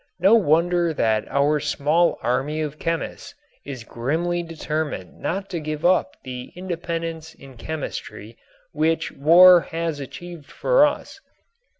No wonder that our small army of chemists is grimly determined not to give up the independence in chemistry which war has achieved for us!